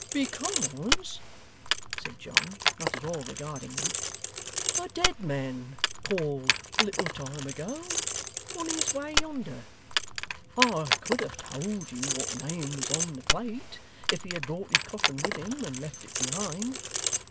' Because,' said John, not at all regarding them, 'a dead man called a little time ago, on his way yonder. I could have told you what name was on the plate, if he had brought his coffin with him, and left it behind.